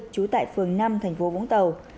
trú tại phường năm thành phố vũng tàu